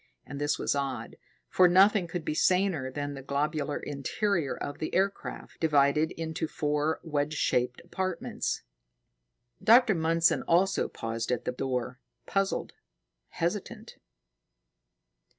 And this was odd, for nothing could be saner than the globular interior of the aircraft, divided into four wedge shaped apartments. Dr. Mundson also paused at the door, puzzled, hesitant.